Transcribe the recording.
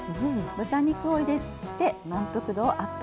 豚肉を入れて満腹度をアップ。